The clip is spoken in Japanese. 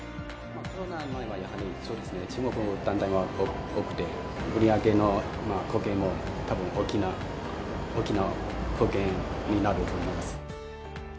コロナ前はやはり、そうですね、中国の団体が多くて、売り上げの貢献も、たぶん、大きな貢献になると思います。